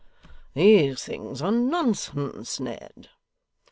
these things are nonsense, Ned.